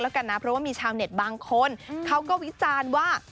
แล้วกันนะเพราะว่ามีชาวเน็ตบางคนเขาก็วิจารณ์ว่า